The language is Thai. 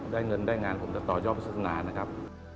ได้เงินได้งานผมจะต่อยอดพัฒนานะครับ